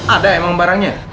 ada emang barangnya